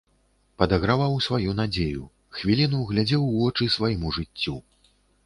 Падаграваў сваю надзею, хвіліну глядзеў у вочы свайму жыццю.